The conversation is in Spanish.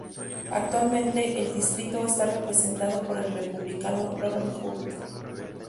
Actualmente el distrito está representado por el Republicano Robert Hurt.